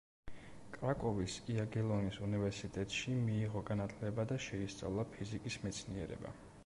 კრაკოვის იაგელონის უნივერსიტეტში მიიღო განათლება და შეისწავლა ფიზიკის მეცნიერება.